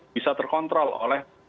bisa terkontrol oleh